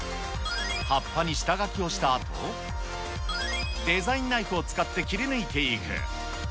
葉っぱに下描きをしたあと、デザインナイフを使って切り抜いていく。